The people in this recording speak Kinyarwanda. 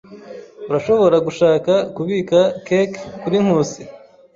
Urashobora gushaka kubika cake kuri Nkusi.